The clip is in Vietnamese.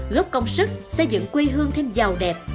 góp công sức xây dựng quê hương thêm giàu đẹp